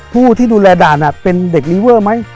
ผู้ที่ดูแลด่านเป็นเด็กลีเวอร์ไหม